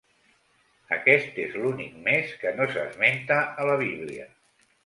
Aquest és l'únic mes que no s'esmenta a la Bíblia.